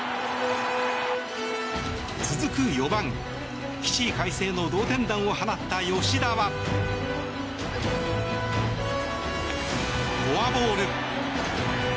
続く４番、起死回生の同点弾を放った吉田はフォアボール。